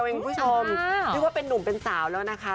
คุณผู้ชมนึกว่าเป็นนุ่มเป็นสาวแล้วนะคะ